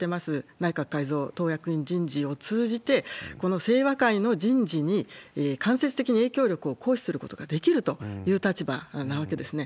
内閣改造・党役員人事を通じて、この清和会の人事に間接的に影響力を行使することができるという立場なわけですね。